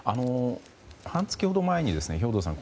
半月ほど前に兵頭さん